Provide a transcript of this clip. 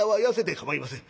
「構いません。